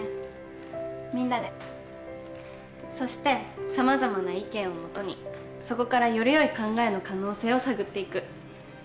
そしてさまざまな意見をもとにそこからよりよい考えの可能性を探っていく。